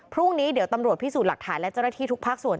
พรุ่งนี้เดี๋ยวตำรวจพิสูจน์หลักฐานและเจ้าหน้าที่ทุกภาคส่วน